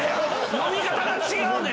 読み方が違うねん。